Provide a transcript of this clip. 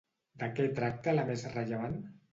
De què tracta la més rellevant?